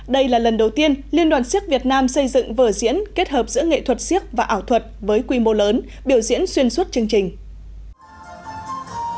đây là lần đầu tiên liên đoàn siếc việt nam xây dựng vở diễn kết hợp giữa nghệ thuật siếc và ảo thuật với quy mô lớn biểu diễn xuyên suốt chương trình